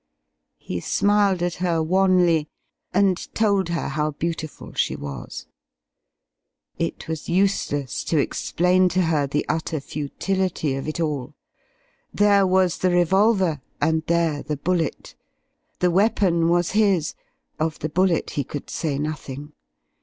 He smiled at her wanly, and told her how beautiful she was. It was useless to explain to her the utter futility of it all. There was the revolver and there the bullet. The weapon was his of the bullet he could say nothing.